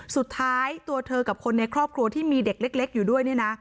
สุดท้ายตัวเธอกับคนในครอบครัวที่มีเด็กเล็กอยู่ด้วยเนี่ยนะ